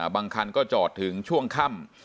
บางคันก็จอดถึงช่วงค่ำ